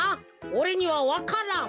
おれにはわからん。